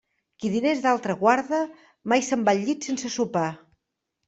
Qui diners d'altre guarda, mai se'n va al llit sense sopar.